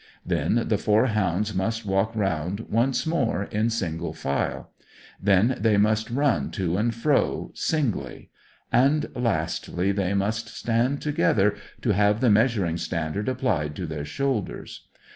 Then the four hounds must walk round once more in single file. Then they must run to and fro, singly. And, lastly, they must stand together to have the measuring standard applied to their shoulders.